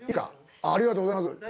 ありがとうございます。